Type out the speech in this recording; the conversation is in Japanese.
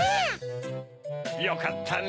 よかったね